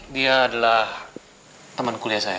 dia adalah teman kuliah saya